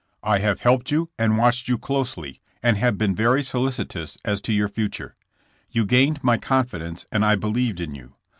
I have helped jou an«[ watched yon closel^fi, and have been very «olicitoui as to your fulmw. Tea gained my cooifidence and I believed in you.